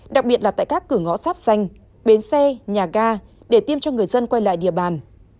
đặc biệt là tại các cửa ngõ sáp xanh bến xe nhà ga để tiêm cho người dân quay lại địa bàn